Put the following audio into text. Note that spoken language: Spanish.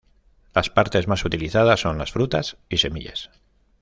Las partes más utilizadas son las frutas y semillas.